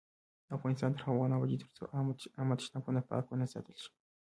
افغانستان تر هغو نه ابادیږي، ترڅو عامه تشنابونه پاک ونه ساتل شي.